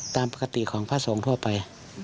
ตามปกติของภาดศรมทั่วไป